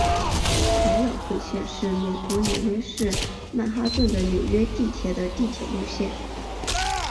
百老汇线是美国纽约市曼哈顿的纽约地铁的地铁路线。